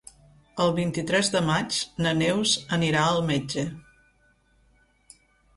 El vint-i-tres de maig na Neus anirà al metge.